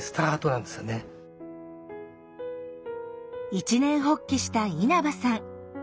一念発起した稲葉さん。